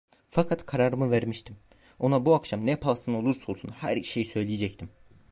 Fakat kararımı vermiştim, ona bu akşam ne pahasına olursa olsun her şeyi söyleyecektim.